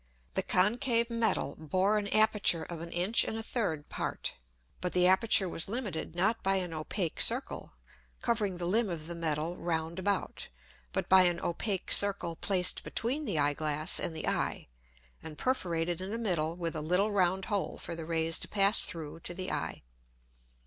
The concave Metal bore an Aperture of an Inch and a third part; but the Aperture was limited not by an opake Circle, covering the Limb of the Metal round about, but by an opake Circle placed between the Eyeglass and the Eye, and perforated in the middle with a little round hole for the Rays to pass through to the Eye.